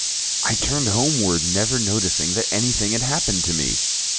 I turned homeward, never noticing that anything had happened to me.